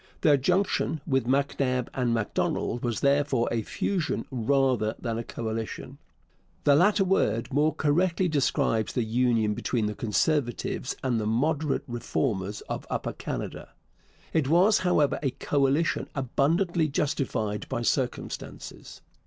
Their junction with MacNab and Macdonald was therefore a fusion rather than a coalition. The latter word more correctly describes the union between the Conservatives and the Moderate Reformers of Upper Canada. It was, however, a coalition abundantly justified by circumstances.